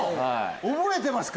覚えてますか？